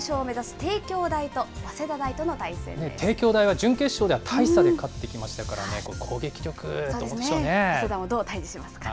帝京大は準決勝では大差で勝ってきましたからね、攻撃力、どうでしょうね。